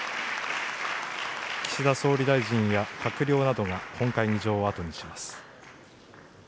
岸田総理大臣や閣僚などが本会議場を後にします。